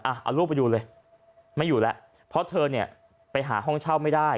เอารูปไปดูเลยไม่อยู่แล้วเพราะเธอเนี่ยไปหาห้องเช่าไม่ได้